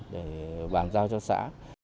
để bàn giao cho xã